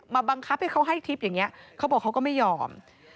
บังคับให้เขาให้ทิพย์อย่างนี้เขาบอกเขาก็ไม่ยอม